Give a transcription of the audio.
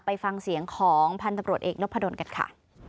ไปฟังเสียงของพันธุ์ตำรวจเอกนพดลกันค่ะ